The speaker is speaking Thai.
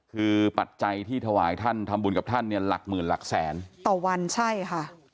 คือปัจจัยที่ถวายท่านทำบุญกับท่านเนี่ยหลักหมื่นหลักแสนต่อวันใช่ค่ะ